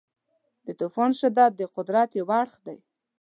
د طوفان شدت د قدرت یو اړخ دی.